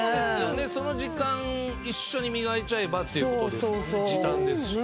その時間一緒に磨いちゃえばっていうことですもんね。